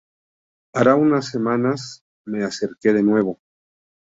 Hará unas semanas me acerqué de nuevo.